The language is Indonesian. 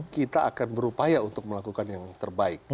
kita akan berupaya untuk melakukan yang terbaik